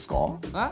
えっ？